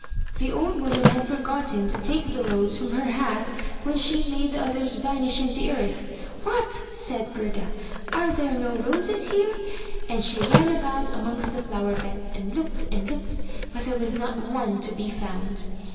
The old Woman had forgotten to take the rose from her hat when she made the others vanish in the earth. "What!*' said Gerda; "are there no roses here?*' and she ran about amongst the flower beds, and looked, and looked, but there was not one to be found.